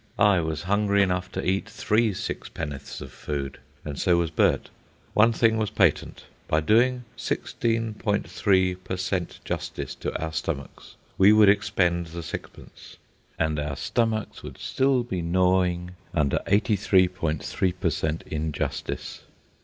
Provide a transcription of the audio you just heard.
I was hungry enough to eat three sixpenn'orths of food, and so was Bert. One thing was patent. By doing 16.3 per cent. justice to our stomachs, we would expend the sixpence, and our stomachs would still be gnawing under 83.3 per cent. injustice.